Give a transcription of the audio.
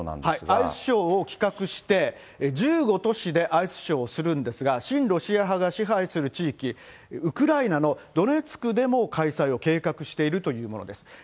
アイスショーを企画して、１５都市でアイスショーをするんですが、親ロシア派が支配する地域、ウクライナのドネツクでも開催を計画しているというものです。